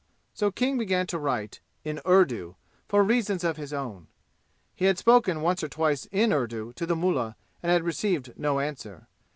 So King began to write, in Urdu, for reasons of his own. He had spoken once or twice in Urdu to the mullah and had received no answer.